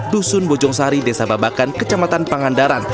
dusun bojong sari desa babakan kecamatan pangandaran